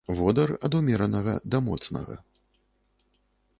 Водар ад умеранага да моцнага.